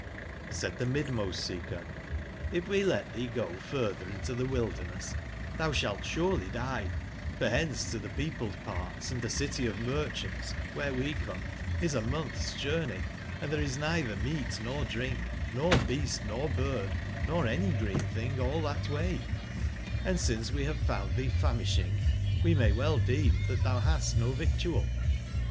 n4 ^^^gjHlD tbc midmost seeker: ''If we let tbee go ^^^ further in to the wilderness tbou sbalt surely ^^^die: for bence to tbe peopled parts, and tbe City of )VIercbants, wbence we come, is a month's journey :& there is neither meat nor drink, nor beast nor bird, nor any green thing all that way; and since we have found thee famishing, we may well deem that thou bast no victual.